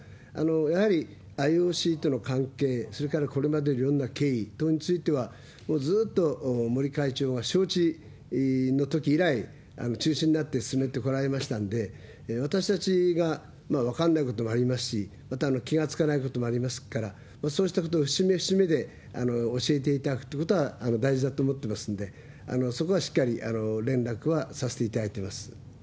やはりＩＯＣとの関係、それからこれまでのいろんな経緯等については、もうずーっと森会長が招致のとき以来中心になって進めてこられましたんで、私たちが分かんないこともありますし、また気が付かないこともありますから、そうしたことを節目節目で教えていただくってことは大事だと思ってますんで、そこはしっかり連絡はさせていただいています。